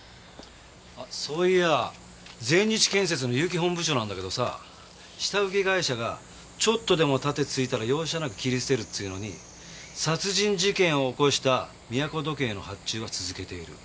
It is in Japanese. あっそういやぁ全日建設の悠木本部長なんだけどさ下請け会社がちょっとでも盾突いたら容赦なく切り捨てるっつうのに殺人事件を起こしたみやこ土建への発注は続けている。